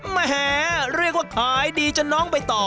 หมวฮุวววววเรียกว่าขายดีจ้ะน้องไปต่อ